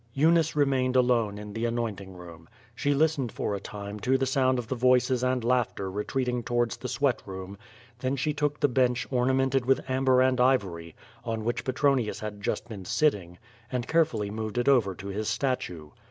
Eunice remained alone in the anointing room. She lis tened for a time to the sound of the voices and laughter retreating towards the sweat room; then she took the bench ornamented with amber and ivory, on which Petronius had just been sitting, and carefully moved it over to his statue.